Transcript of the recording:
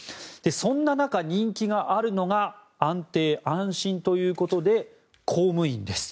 そんな中、人気があるのが安定・安心ということで公務員です。